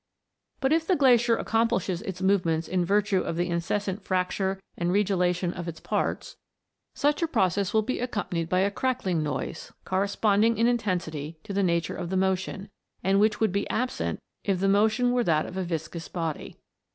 " But if the glacier accomplishes its movements in virtue of the incessant fracture and regelation of its parts, such a process will be accompanied by a crackling noise, corresponding in intensity to the nature of the motion, and which would be absent if the motion were that of a viscous body.